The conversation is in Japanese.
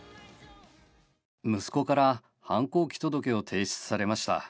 息子から反抗期届を提出されました。